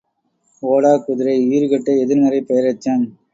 ஓடாக் குதிரை ஈறு கெட்ட எதிர்மறைப் பெயரெச்சம்.